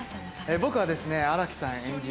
僕は新木さん演じる